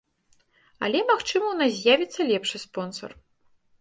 Але, магчыма, у нас з'явіцца лепшы спонсар.